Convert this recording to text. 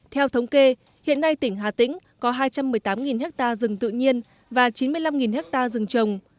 theo thống kê hiện nay tỉnh hà tĩnh có hai trăm một mươi tám ha rừng tự nhiên và chín mươi năm ha rừng trồng